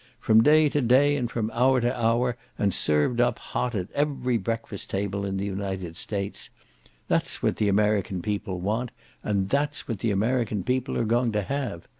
from day to day and from hour to hour and served up hot at every breakfast table in the United States: that's what the American people want and that's what the American people are going to have.